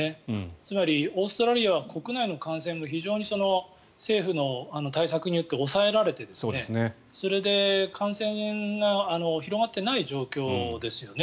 つまり、オーストラリアは国内の感染も非常に政府の対策によって抑えられていて、それで感染が広がっていない状況ですよね。